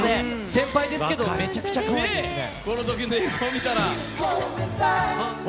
先輩ですけどめちゃくちゃかわいいですね。